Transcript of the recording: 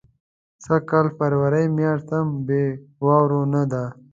سږ کال فبرورۍ میاشت هم بې واورو نه ده.